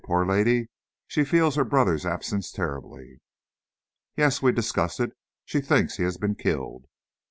Poor lady, she feels her brother's absence terribly." "Yes; we discussed it. She thinks he has been killed."